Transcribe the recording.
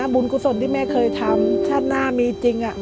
กุศลที่แม่เคยทำชาติหน้ามีจริง